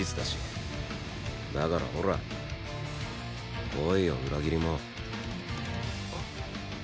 だからほら来いよ裏切り者。